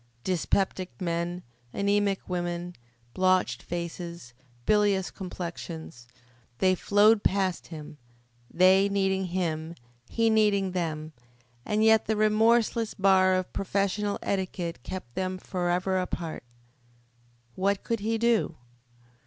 Dyspeptic men, anemic women, blotched faces, bilious complexions they flowed past him, they needing him, he needing them, and yet the remorseless bar of professional etiquette kept them forever apart. What could he do?